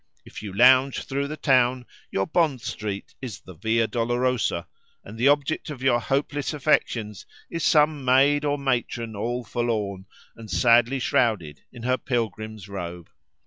If you lounge through the town, your Bond Street is the Via Dolorosa, and the object of your hopeless affections is some maid or matron all forlorn, and sadly shrouded in her pilgrim's robe.